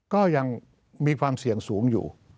ก็ยังมีความเสี่ยงสูงอยู่